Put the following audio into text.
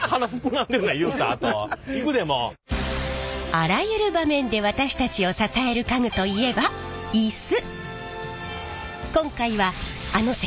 あらゆる場面で私たちを支える家具といえばイス。